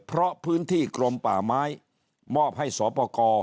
เพราะพื้นที่กรมป่าไม้มอบให้สวปกร